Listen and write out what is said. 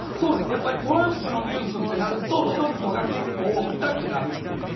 やっぱりトランプのニュースってなると人々が結構見たくなるっていう。